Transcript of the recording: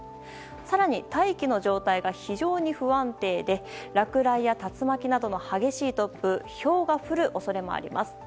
更に大気の状態が非常に不安定で落雷や竜巻などの激しい突風ひょうが降る恐れもあります。